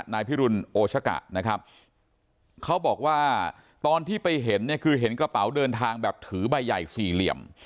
นายพิรุณโอชะกะนะครับเขาบอกว่าตอนที่ไปเห็นเนี่ยคือเห็นกระเป๋าเดินทางแบบถือใบใหญ่สี่เหลี่ยม